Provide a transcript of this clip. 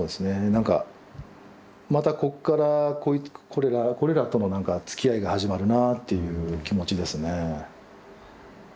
なんかまたこっからこれがこれらとのなんかつきあいが始まるなぁっていう気持ちですね。